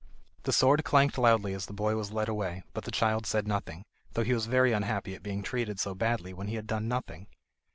The sword clanked loudly as the boy was led away, but the child said nothing, though he was very unhappy at being treated so badly when he had done nothing.